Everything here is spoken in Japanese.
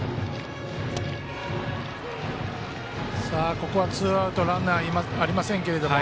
ここはツーアウトランナーありませんけれども